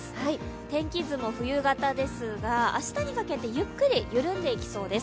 天気図も冬型ですが、明日にかけてゆっくり緩んでいきそうです。